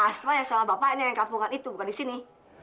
asma yang sama bapaknya yang kampungan itu bukan disini